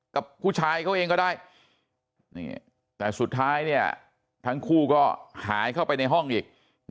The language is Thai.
กับผู้ชายเขาเองก็ได้แต่สุดท้ายทั้งคู่ก็หายเข้าไปในห้องอีก